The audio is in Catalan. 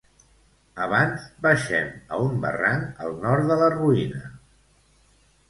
Abans baixem a un barranc al nord de la ruïna.